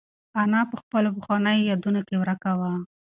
انا په خپلو پخوانیو یادونو کې ورکه وه.